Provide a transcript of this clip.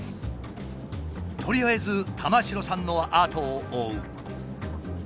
とりあえず玉城さんの後を追う。